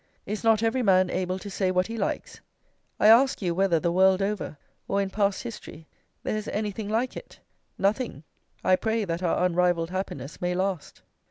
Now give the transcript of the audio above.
Is not every man able to say what he likes? I ask you whether the world over, or in past history, there is anything like it? Nothing. I pray that our unrivalled happiness may last."